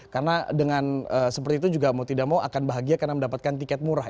karena dengan seperti itu juga mau tidak mau akan bahagia karena mendapatkan tiket murah